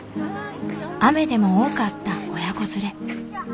雨でも多かった親子連れ。